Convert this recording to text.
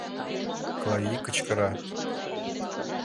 Клавий кычкыра.